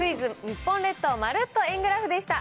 日本列島まるっと円グラフでした。